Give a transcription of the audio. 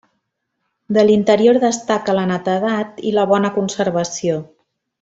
De l'interior destaca la netedat i la bona conservació.